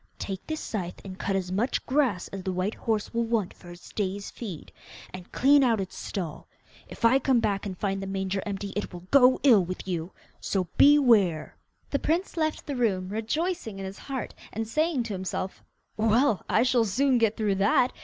'Take this scythe and cut as much grass as the white horse will want for its day's feed, and clean out its stall. If I come back and find the manger empty it will go ill with you. So beware!' The prince left the room, rejoicing in his heart, and saying to himself, 'Well, I shall soon get through that!